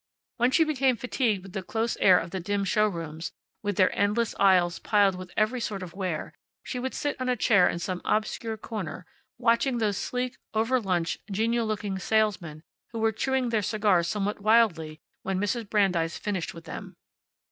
When she became fatigued with the close air of the dim showrooms, with their endless aisles piled with every sort of ware, she would sit on a chair in some obscure corner, watching those sleek, over lunched, genial looking salesmen who were chewing their cigars somewhat wildly when Mrs. Brandeis finished with them.